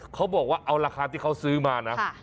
เขาบอกว่าเอาราคาที่เขาซื้อมานะ